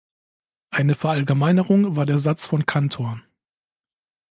Eine Verallgemeinerung war der Satz von Cantor.